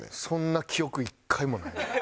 そんな記憶１回もない。